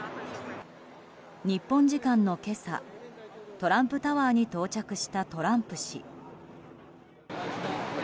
日本時間の今朝トランプタワーに到着したトランプ氏。